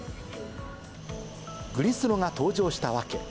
グリスロが登場した訳。